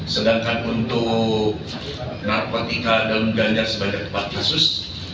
sedangkan untuk narkotika dalam ganjar sebanyak empat kasus